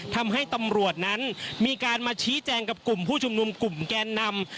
ทำให้ตำรวจนั้นมีการมาชี้แจงกับกลุ่มผู้ชุมนุมกลุ่มแกนนำ